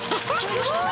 すごい。